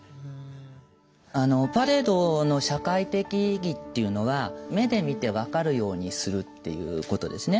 パレードの社会的意義っていうのは目で見て分かるようにするっていうことですね。